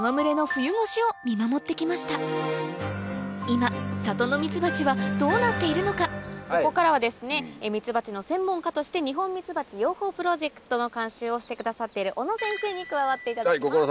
ニホンミツバチしかし元気な群れも今里のここからはですねミツバチの専門家としてニホンミツバチ養蜂プロジェクトの監修をしてくださっている小野先生に加わっていただきます。